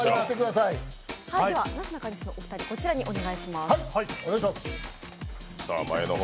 では、なすなかにしのお二人こちらへお願いします。